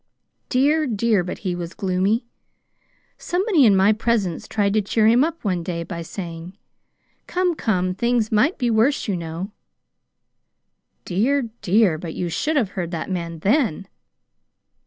Dear, dear, but he was gloomy! Somebody in my presence tried to cheer him up one day by saying, 'Come, come, things might be worse, you know!' Dear, dear, but you should have heard that man then!